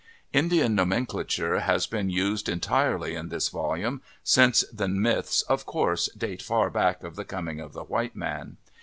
Indian nomenclature has been used entirely in this volume, since the myths, of course, date far back of the coming of the white man.